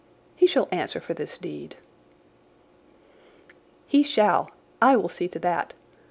He shall answer for this deed." "He shall. I will see to that.